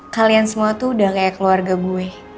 kalian semua tuh udah kayak keluarga gue